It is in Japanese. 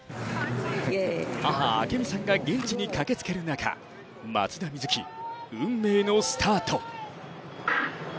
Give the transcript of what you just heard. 母・明美さんが現地に駆けつける中、松田瑞生、運命のスタート。